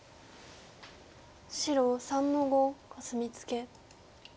白３の五コスミツケ。